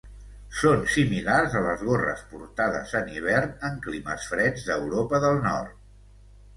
Són similars a les gorres portades en hivern en climes freds d'Europa del Nord.